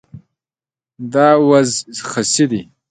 دا وز خسي دی